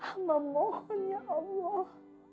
amah mohon ya allah